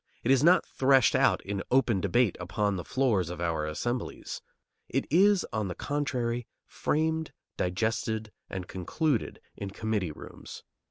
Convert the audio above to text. It is not threshed out in open debate upon the floors of our assemblies. It is, on the contrary, framed, digested, and concluded in committee rooms.